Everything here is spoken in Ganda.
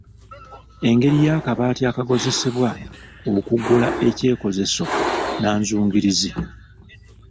Engeri y'akabaati ak'akozesebwa okuggula ekyekozeso nnanzungirizi.